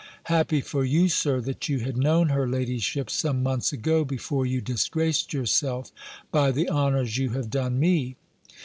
(Happy for you, Sir, that you had known her ladyship some months ago, before you disgraced yourself by the honours you have done me!)